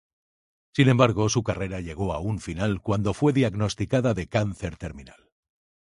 Sin embargo, su carrera llegó a un final cuando fue diagnosticada de cáncer terminal.